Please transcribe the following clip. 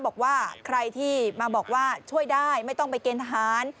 บอกว่าใครที่มาบอกว่าช่วยได้ไม่ต้องไปเกณฑ์ทหาร